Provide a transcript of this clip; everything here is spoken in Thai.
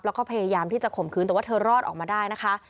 แล้วก็พยายามที่จะข่มคืนแต่ว่าเธอรอดออกมาได้นะคะ